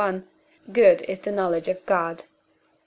good is the knowledge of God.